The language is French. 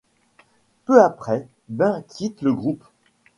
Peu après, Bain quitte le groupe.